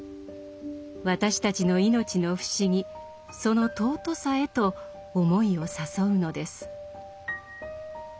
私たちの命の不思議その尊さへと思いを誘うのです。